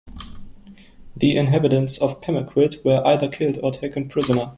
The inhabitants of Pemaquid were either killed or taken prisoner.